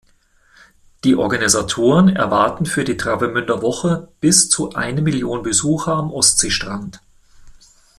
Die Organisatoren erwarten für die Travemünder Woche bis zu eine Million Besucher am Ostseestrand.